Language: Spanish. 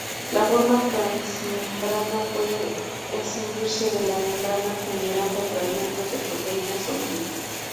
La forma transmembrana puede escindirse de la membrana, generando fragmentos de proteínas solubles.